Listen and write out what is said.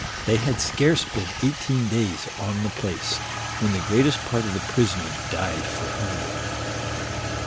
They had scarce been eighteen days on the place, when the greatest part of the prisoners died for hunger.